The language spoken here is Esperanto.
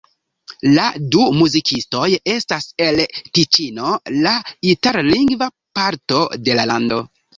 La du muzikistoj estas el Tiĉino, la itallingva parto de la lando.